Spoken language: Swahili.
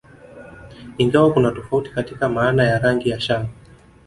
Ingawa kuna tofauti katika maana ya rangi ya shanga